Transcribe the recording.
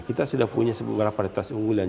kita sudah punya paritas unggulan